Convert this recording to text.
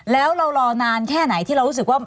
แล้วเรารอนานแค่ไหนที่เรารู้สึกว่า